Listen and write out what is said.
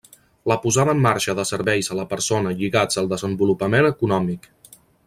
La posada en marxa de serveis a la persona lligats al desenvolupament econòmic.